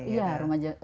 iya rumah sakit rujukan